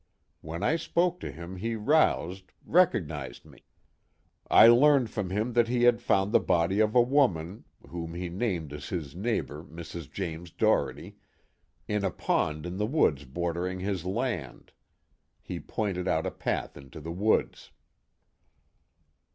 When I spoke to him he roused, recognized me. I learned from him that he had found the body of a woman, whom he named as his neighbor Mrs. James Doherty, in a pond in the woods bordering his land. He pointed out a path into the woods."